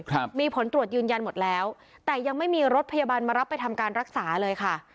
ครับมีผลตรวจยืนยันหมดแล้วแต่ยังไม่มีรถพยาบาลมารับไปทำการรักษาเลยค่ะ